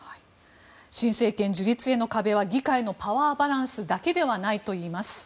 新政権樹立への壁は議会のパワーバランスだけではないといいます。